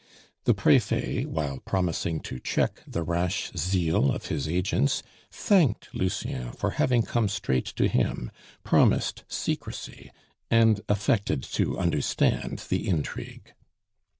The Prefet, while promising to check the rash zeal of his agents, thanked Lucien for having come straight to him, promised secrecy, and affected to understand the intrigue.